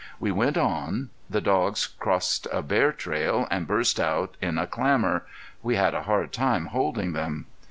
We went on. The dogs crossed a bear trail, and burst out in a clamor. We had a hard time holding them.